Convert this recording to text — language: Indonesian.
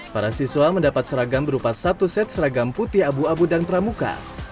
para siswa mendapat seragam berupa satu set seragam putih abu abu dan pramuka